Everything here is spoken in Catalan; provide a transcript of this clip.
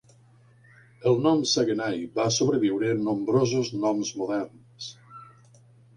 El nom Saguenay va sobreviure en nombrosos noms moderns.